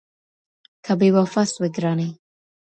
كه بې وفا سوې گراني .